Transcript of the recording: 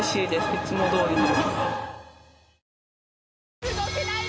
いつもどおりの。